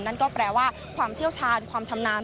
นั่นก็แปลว่าความเชี่ยวชาญความชำนาญ